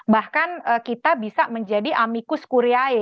bahkan kita bisa menjadi amicus kuriae